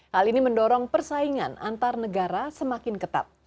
hal ini mendorong persaingan antar negara semakin ketat